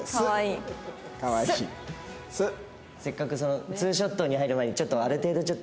せっかくツーショットに入る前にちょっとある程度知らないとって思って。